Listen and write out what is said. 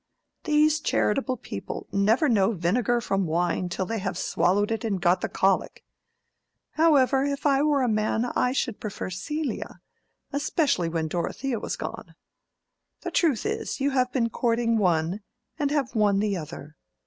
These charitable people never know vinegar from wine till they have swallowed it and got the colic. However, if I were a man I should prefer Celia, especially when Dorothea was gone. The truth is, you have been courting one and have won the other.